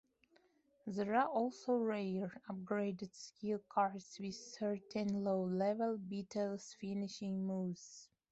There are also rare, "upgraded" skill cards with certain low-level beetles' Finishing Moves.